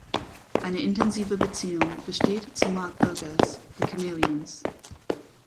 Eine intensive Beziehung besteht zu Mark Burgess (The Chameleons).